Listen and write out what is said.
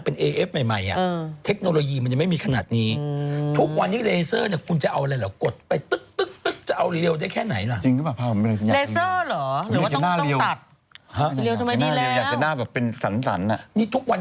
นี่ทุกวันที่มันต้องคุ้มเต็ม